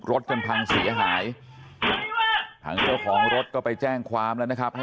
จนพังเสียหายทางเจ้าของรถก็ไปแจ้งความแล้วนะครับให้